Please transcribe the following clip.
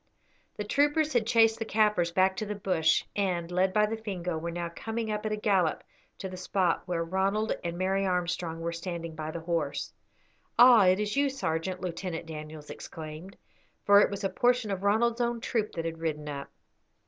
The troopers had chased the Kaffirs back to the bush, and, led by the Fingo, were now coming up at a gallop to the spot where Ronald and Mary Armstrong were standing by the horse. "Ah, it is you, sergeant," Lieutenant Daniels exclaimed, for it was a portion of Ronald's own troop that had ridden up.